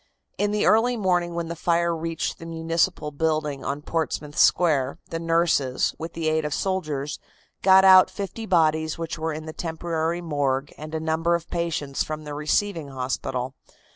In the early morning, when the fire reached the municipal building on Portsmouth Square, the nurses, with the aid of soldiers, got out fifty bodies which were in the temporary morgue and a number of patients from the receiving hospital.